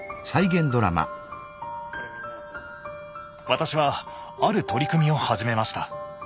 私はある取り組みを始めました。